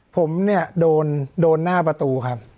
ผมเนี่ยโดนหน้าประตูครับ